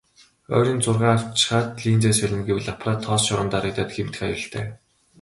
Ойрын зургаа авчхаад линзээ солино гэвэл аппарат тоос шороонд дарагдаад гэмтэх аюултай.